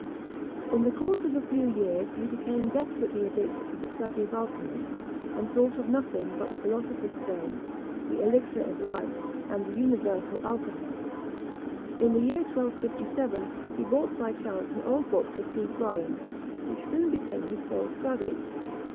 In the course of a few years, he became desperately addicted to the study of alchymy, and thought of nothing but the philosopher's stone, the elixir of life, and the universal alkahest. In the year 1257, he bought by chance an old book for two florins, which soon became his sole study.